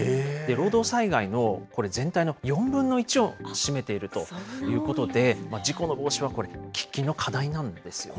労働災害の、これ、全体の４分の１を占めているということで、事故の防止は喫緊の課題なんですよね。